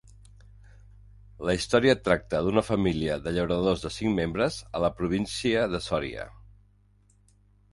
La història tracta d'una família de llauradors de cinc membres, a la província de Sòria.